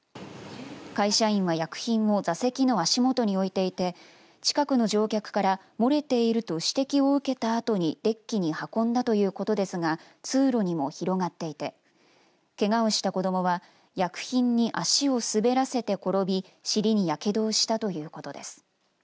会社員は薬品を座席の足元に置いていて近くの乗客から漏れていると指摘を受けたあとにデッキに運んだということですが通路にも広がっていてけがをした子どもは薬品に足を滑らせて転び尻にやけどをしたということです。